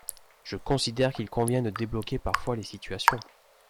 Je considère qu’il convient de débloquer parfois les situations.